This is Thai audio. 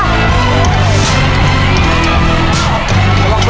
ดีดี